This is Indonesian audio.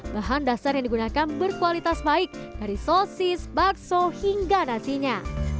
bahan dasar yang digunakan berkualitas baik dari sosis bakso hingga nasinya